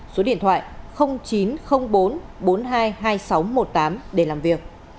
số điện thoại chín trăm linh bốn bốn mươi hai hai nghìn sáu trăm một mươi tám để làm việc